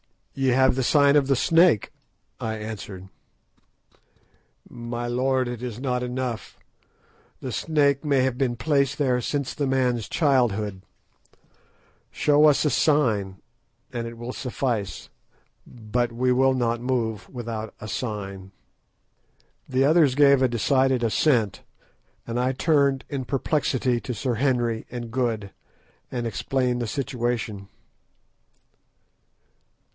"Ye have the sign of the snake," I answered. "My lord, it is not enough. The snake may have been placed there since the man's childhood. Show us a sign, and it will suffice. But we will not move without a sign." The others gave a decided assent, and I turned in perplexity to Sir Henry and Good, and explained the situation.